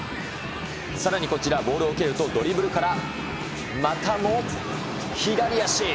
さらにこちら、ボールを蹴ると、ドリブルから、またも左足。